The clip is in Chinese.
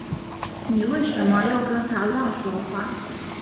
妳为什呢要跟他乱说话